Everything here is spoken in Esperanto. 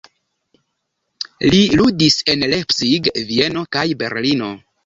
Li ludis en Leipzig, Vieno kaj Berlino.